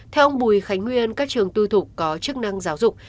theo ông bùi khánh nguyên các trường tư thục có chức năng giáo dục